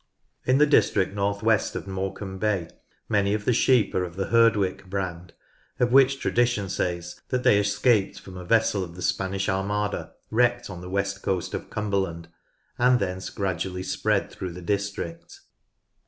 In the district north west of Morecambe Bay, many of the sheep are of the Herdwick breed, of which tradi tion says that they escaped from a vessel of the Spanish 92 NORTH LANCASHIRE Armada wrecked on the west coast of Cumberland, and thence gradually spread through the district.